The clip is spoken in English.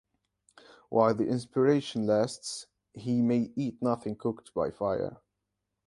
While the inspiration lasts, he may eat nothing cooked by fire.